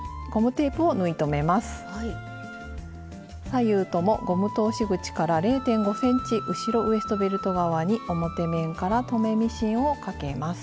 左右ともゴム通し口から０．５ｃｍ後ろウエストベルト側に表面から留めミシンをかけます。